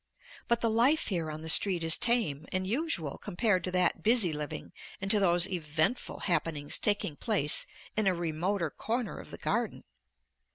But the life here on the street is tame and usual compared to that busy living and to those eventful happenings taking place in a remoter corner of the garden.